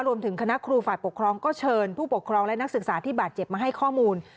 คณะครูฝ่ายปกครองก็เชิญผู้ปกครองและนักศึกษาที่บาดเจ็บมาให้ข้อมูล